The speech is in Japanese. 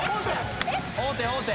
王手王手。